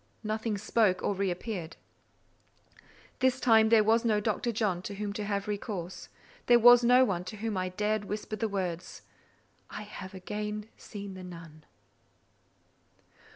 Nothing spoke or re appeared. This time there was no Dr. John to whom to have recourse: there was no one to whom I dared whisper the words, "I have again seen the nun."